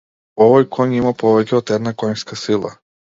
Овој коњ има повеќе од една коњска сила.